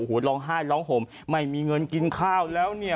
โอ้โหร้องไห้ร้องห่มไม่มีเงินกินข้าวแล้วเนี่ย